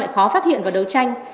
lại khó phát hiện và đấu tranh